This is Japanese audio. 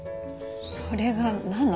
それが何なの？